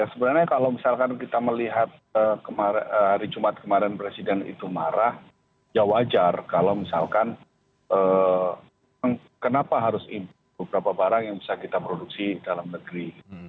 sebenarnya kalau misalkan kita melihat hari jumat kemarin presiden itu marah ya wajar kalau misalkan kenapa harus beberapa barang yang bisa kita produksi dalam negeri